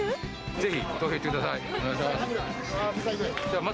ぜひ、投票に行ってください。